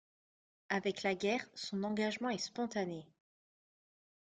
Avec la guerre, son engagement est spontané.